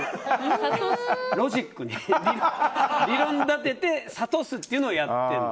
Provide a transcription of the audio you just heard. ロジックに理論立てて諭すっていうのをやってるの。